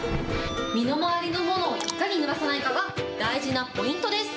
身の回りのものをいかにぬらさないかが大事なポイントです。